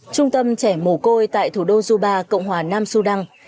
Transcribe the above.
trung tâm trẻ mô côi tại thủ đô juba cộng hòa nam su đăng